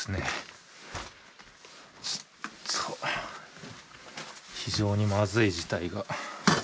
ちょっと非常にまずい事態が。